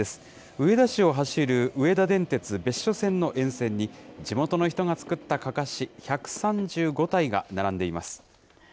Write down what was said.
上田市を走る上田電鉄別所線の沿線に、地元の人が作ったかかし１３５体が並んでいます。